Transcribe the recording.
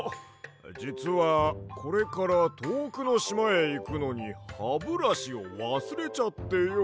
じつはこれからとおくのしまへいくのにハブラシをわすれちゃってよ。